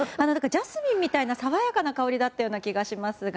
ジャスミンみたいな爽やかな香りだったような気がしますが。